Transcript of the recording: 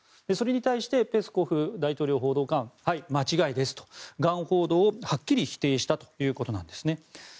それに対してペスコフ大統領報道官ははい、間違いですとがん報道をはっきり否定したということなんですね。